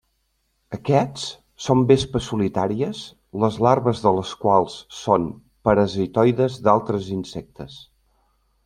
Aquests són vespes solitàries les larves de les quals són parasitoides d'altres insectes.